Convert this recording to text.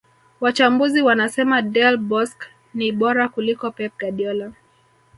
Wachambuzi wanasema Del Bosque ni bora kuliko Pep Guardiola